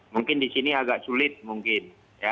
mungkin di sini agak sulit mungkin